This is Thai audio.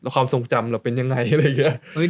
ความทรงจำเราเป็นยังไงอะไรอย่างนี้